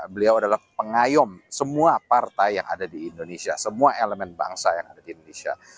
beliau adalah pengayom semua partai yang ada di indonesia semua elemen bangsa yang ada di indonesia